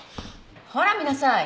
ほら見なさい！